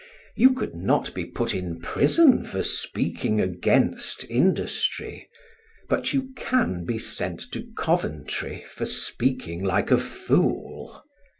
You could not be put in prison for speaking against industry, but you can be sent to Coventry for speaking like a fool.